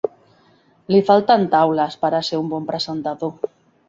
Li falten taules per a ser un bon presentador.